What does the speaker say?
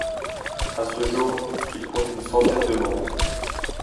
À ce jour, il compte une centaine de membres.